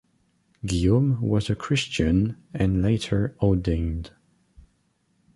Guillaume was a Christian and later ordained.